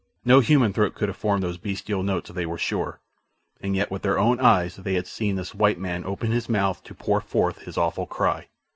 No human throat could have formed those bestial notes, they were sure, and yet with their own eyes they had seen this white man open his mouth to pour forth his awful cry.